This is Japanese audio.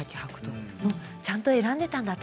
ちゃんと選んでいたんですね。